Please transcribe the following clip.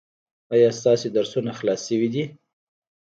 ایا ستاسو درسونه خلاص شوي دي؟